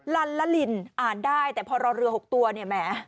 ลันละลินอ่านได้แต่พอรอเรือ๖ตัวเนี่ยแหม